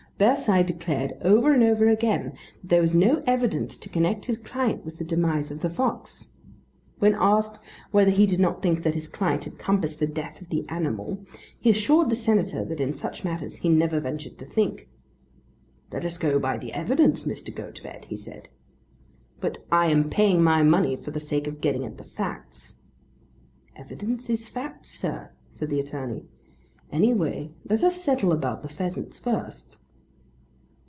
Bearside declared over and over again that there was no evidence to connect his client with the demise of the fox. When asked whether he did not think that his client had compassed the death of the animal, he assured the Senator that in such matters he never ventured to think. "Let us go by the evidence, Mr. Gotobed," he said. "But I am paying my money for the sake of getting at the facts." "Evidence is facts, sir," said the attorney. "Any way let us settle about the pheasants first."